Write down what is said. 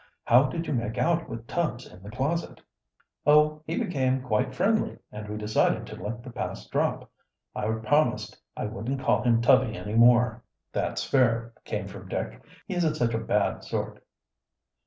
How did you make out with Tubbs in the closet?" "Oh, he became quite friendly, and we decided to let the past drop. I promised I wouldn't call him Tubby any more." "That's fair," came from Dick. "He isn't such a bad sort."